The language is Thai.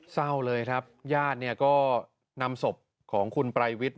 เศร้าเลยครับญาติเนี่ยก็นำศพของคุณไตรวิทย์